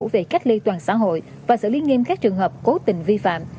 về cách ly toàn xã hội và xử lý nghiêm các trường hợp cố tình vi phạm